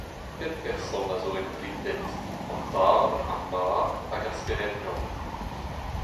Pet person a zo en Drinded ? An Tad, ar Mab, hag ar Spered-Glan.